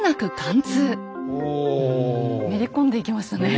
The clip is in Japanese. めり込んでいきましたね。